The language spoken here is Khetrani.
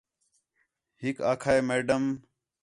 ہِک آکھا ہے میڈم